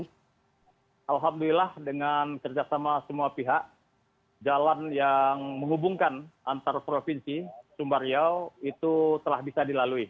alhamdulillah dengan kerjasama semua pihak jalan yang menghubungkan antar provinsi sumbariau itu telah bisa dilalui